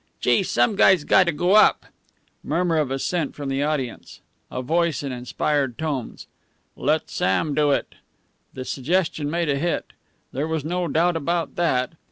"Gee! Some guy's got to go up." Murmur of assent from the audience. A voice, in inspired tones: "Let Sam do it." The suggestion made a hit. There was no doubt about that.